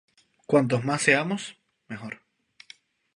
Cuantos más seamos, mejor